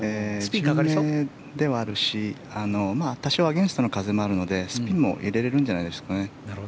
順目ではあるしアゲンストの風もあるしスピンも入れられるんじゃないでしょうかね。